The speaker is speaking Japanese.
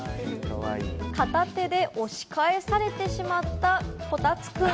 片手で押し返されてしまった、こたつくん。